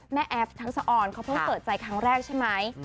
แอฟทักษะออนเขาเพิ่งเปิดใจครั้งแรกใช่ไหม